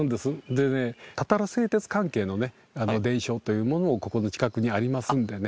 でねたたら製鉄関係のね伝承というものもここの近くにありますんでね。